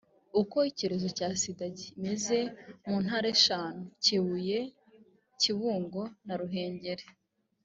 uko icyorezo cya sida kimeze mu ntara eshanu: kibuye, kibungo na ruhengeri